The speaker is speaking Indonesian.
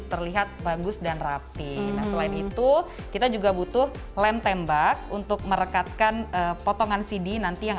terlihat bagus dan rapi selain itu kita juga butuh lem tembak untuk merekatkan potongan cd nanti yang